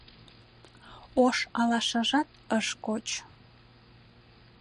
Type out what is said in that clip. Ош алашажат ыш коч